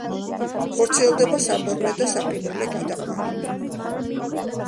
ხორციელდება საბორნე და საყინულე გადაყვანები.